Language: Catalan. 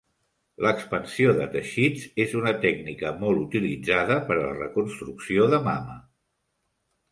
L'expansió de teixits és una tècnica molt utilitzada per a la reconstrucció de mama.